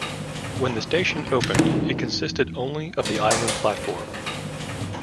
When the station opened, it consisted only of the island platform.